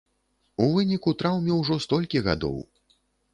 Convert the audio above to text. У выніку траўме ўжо столькі гадоў!